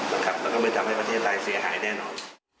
แล้วก็ไม่ทำให้ประเทศไทยเสียหายแน่นอน